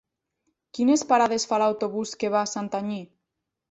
Quines parades fa l'autobús que va a Santanyí?